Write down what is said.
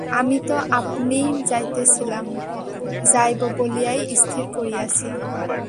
আমি তো আপনিই যাইতেছিলাম, যাইব বলিয়াই স্থির করিয়াছি।